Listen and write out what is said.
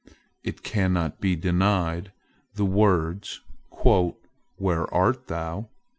It cannot be denied, the words "Where art thou?"